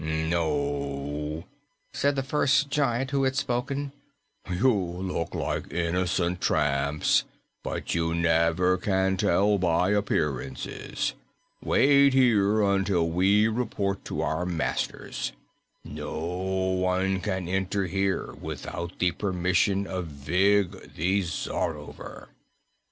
"No," said the first giant who had spoken, "you look like innocent tramps; but you never can tell by appearances. Wait here until we report to our masters. No one can enter here without the permission of Vig, the Czarover."